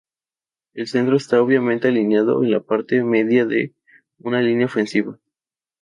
El centro está obviamente alineado en la parte media de una línea ofensiva.